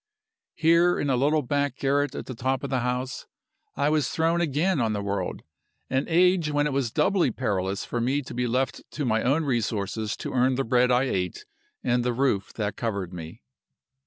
"Here, in a little back garret at the top of the house, I was thrown again on the world an age when it was doubly perilous for me to be left to my own resources to earn the bread I ate and the roof that covered me.